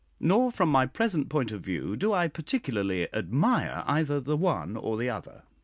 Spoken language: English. Nor from my present point of view do I particularly admire either the one or the other.